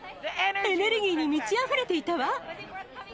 エネルギーに満ちあふれていたわ。